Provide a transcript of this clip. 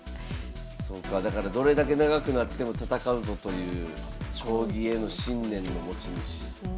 そうかだからどれだけ長くなっても戦うぞという将棋への信念の持ち主。